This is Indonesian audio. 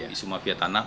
isu mafia tanah